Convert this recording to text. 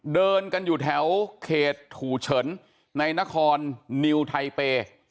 เดินกันอยู่แถวเขตถูเฉินในนครนิวไทเปย์